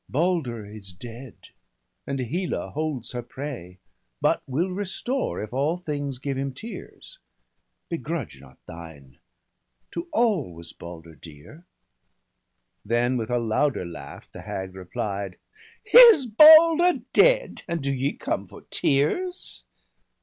Balder is dead, and Hela holds her prey, But will restore, if all things give him tears. Begrudge not thine ! to all was Balder dear.' Then, with a louder laugh, the hag replied :— *Is Balder dead.? and do ye come for tears?